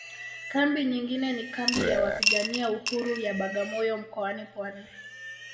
Kambi nyingine ni kambi ya wapigania uhuru ya Bagamoyo mkoani Pwani